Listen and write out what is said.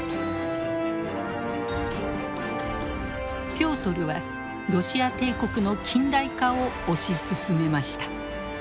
ピョートルはロシア帝国の近代化を推し進めました。